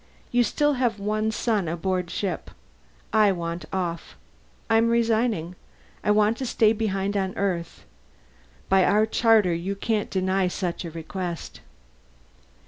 You still have one son aboard ship. I want off. I'm resigning. I want to stay behind on Earth. By our charter you can't deny such a request."